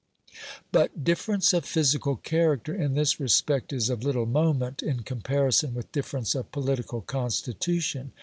But difference of physical character in this respect is of little moment in comparison with difference of political constitution.